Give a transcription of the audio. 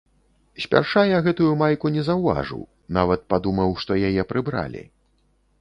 Спярша я гэтую майку не заўважыў, нават падумаў, што яе прыбралі.